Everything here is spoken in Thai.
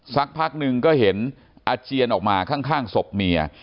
สักพักหนึ่งก็เห็นอาเจียนออกมาข้างศพเมีย